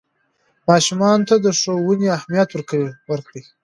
ماشومانو ته د ښوونې اهمیت ورکړئ.